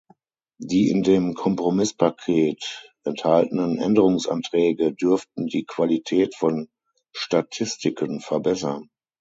Die in dem Kompromisspaket enthaltenen Änderungsanträge dürften die Qualität von Statistiken verbessern.